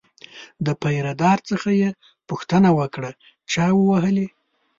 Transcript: له پیره دار څخه یې پوښتنه وکړه چا ووهلی.